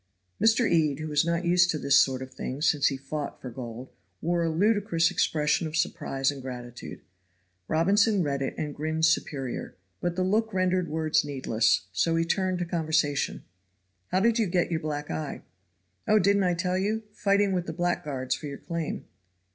Mr. Ede, who was not used to this sort of thing since he fought for gold, wore a ludicrous expression of surprise and gratitude. Robinson read it and grinned superior, but the look rendered words needless, so he turned the conversation. "How did you get your black eye?" "Oh! didn't I tell you? Fighting with the blackguards for your claim."